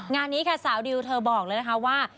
งานนี้ค่ะสาวดิวเธอบอกเลยนะคะว่า